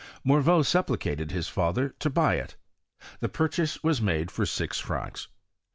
Moirean supplicated his father to buy it. The purchase was mside for six francs.